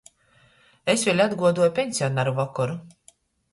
Es vēļ atguodoju peņsionaru vokoru.